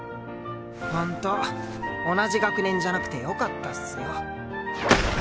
本当同じ学年じゃなくてよかったっスよ。